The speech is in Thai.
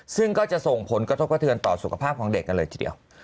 ซึ่งก็จะส่งผลกระทบกระเทือนต่อสุขภาพของเด็กกันเลยทีเดียว